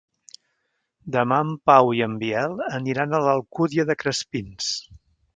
Demà en Pau i en Biel aniran a l'Alcúdia de Crespins.